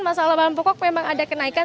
masalah bahan pokok memang ada kenaikan